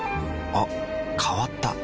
あ変わった。